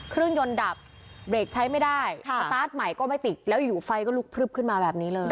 เครื่องยนต์ดับเบรกใช้ไม่ได้สตาร์ทใหม่ก็ไม่ติดแล้วอยู่ไฟก็ลุกพลึบขึ้นมาแบบนี้เลย